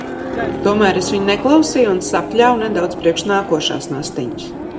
Tomēr es viņu neklausīju un sapļāvu nedaudz priekš nākošās nastiņas.